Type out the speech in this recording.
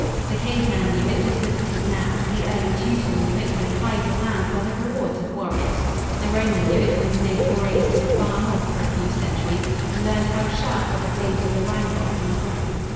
The cave man knew it just as it is now; the early Teuton knew it when "hides" of land were the rewards of warriors. The Roman knew it when he made forays to the far north for a few centuries and learned how sharp were the blades of the Rhine folk and the Briton.